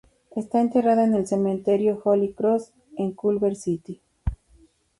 Está enterrada en el cementerio Holy Cross, en Culver City.